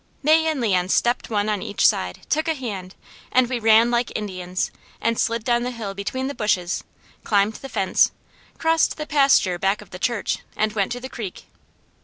May and Leon stepped one on each side, took a hand, and we ran like Indians, and slid down the hill between the bushes, climbed the fence, crossed the pasture back of the church, and went to the creek.